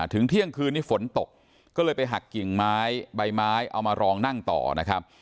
เที่ยงคืนนี้ฝนตกก็เลยไปหักกิ่งไม้ใบไม้เอามารองนั่งต่อนะครับ